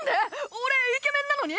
俺イケメンなのに？